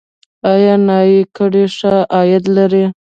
آیا نایي ګري ښه عاید لري؟